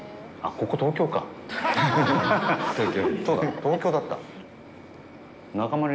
東京だった。